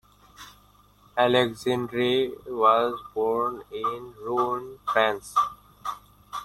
Alexandre was born in Rouen, France.